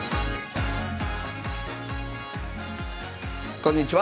こんにちは。